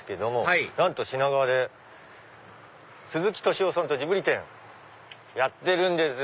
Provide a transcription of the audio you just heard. はいなんと品川で鈴木敏夫さんとジブリ展やってるんですよ。